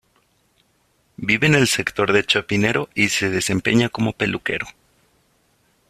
Vive en el sector de Chapinero y se desempeña como peluquero.